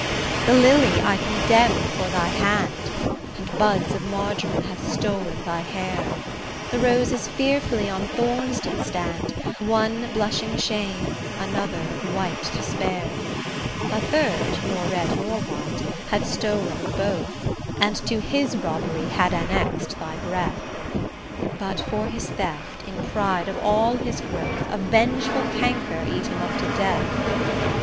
The lily I condemned for thy hand, And buds of marjoram had stol'n thy hair; The roses fearfully on thorns did stand, One blushing shame, another white despair; A third, nor red nor white, had stol'n of both, And to his robbery had annex'd thy breath; But, for his theft, in pride of all his growth A vengeful canker eat him up to death.